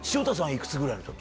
いくつぐらいの時？